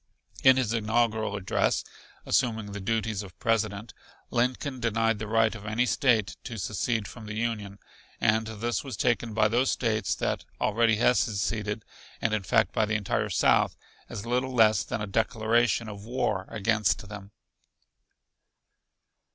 In his inaugural address, assuming the duties of President, Lincoln denied the right of any State to secede from the Union, and this was taken by those States that already had seceded and in fact by the entire South as little less than a declaration of war against them.